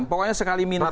pokoknya sekali minta